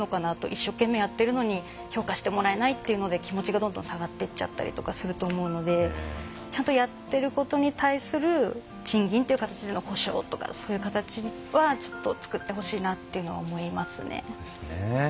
一生懸命やってるのに評価してもらえないっていうので気持ちがどんどん下がっていっちゃったりすると思うのでちゃんとやっていることに対して賃金という形での補償とかそういう形はちょっと作ってほしいなって思いますね。